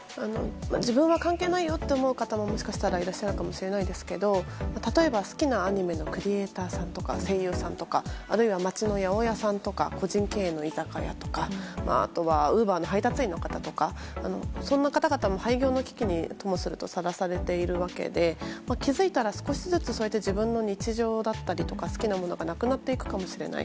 自分は関係ないよと思う方ももしかしたらいらっしゃるかもしれないですが例えば、好きなアニメのクリエーターさんとか声優さんとかあるいは街の八百屋さんとか個人経営の居酒屋さんやウーバーの配達員の方とかそんな方々も廃業の危機にさらされているわけで気づいたら少しずつ自分の日常だったり好きなものがなくなっていくかもしれない。